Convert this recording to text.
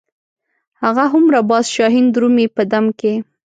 هغه هومره باز شاهین درومي په دم کې.